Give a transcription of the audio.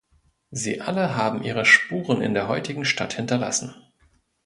Sie alle haben ihre Spuren in der heutigen Stadt hinterlassen.